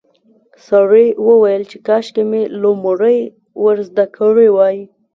سړي وویل چې کاشکې مې لومړی ور زده کړي وای.